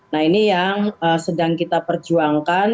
nah ini yang sedang kita perjuangkan